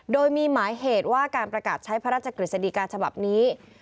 โดยมีหมายเหตุว่าการประกาศใช้พระราชกฤษฎีกาฉบับนี้